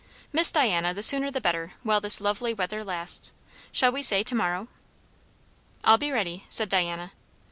Miss Diana, the sooner the better, while this lovely weather lasts. Shall we say to morrow?" "I'll be ready," said Diana.